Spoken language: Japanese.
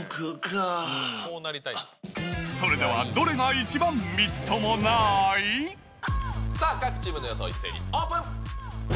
それではどれが一番みっともさあ、各チームの予想、一斉にオープン。